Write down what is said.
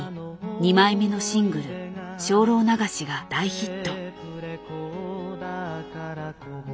２枚目のシングル「精霊流し」が大ヒット。